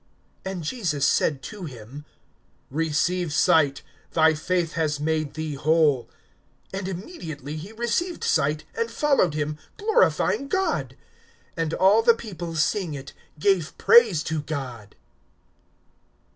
(42)And Jesus said to him: Receive sight; thy faith has made thee whole. (43)And immediately he received sight, and followed him, glorifying God. And all the people, seeing it, gave praise to God.